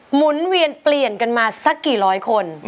หมุนเวียนเปลี่ยนกันมาสักกี่ร้อยคน